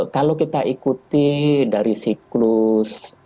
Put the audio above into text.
kalau kita ikuti dari siklus